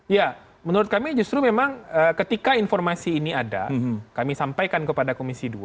ya menurut kami justru memang ketika informasi ini ada kami sampaikan kepada komisi dua